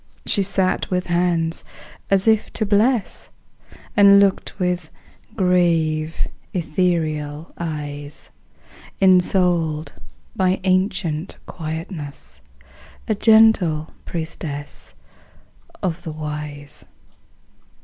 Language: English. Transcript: She sat with hands as if to bless, And looked with grave, ethereal eyes; Ensouled by ancient quietness, A gentle priestess of the Wise.